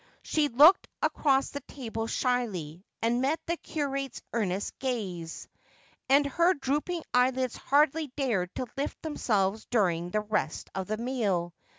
She looked across the table shyly, and met the curate's earnest gaze, and her drooping eyelids hardly dared to lift themselves during the rest of the meal.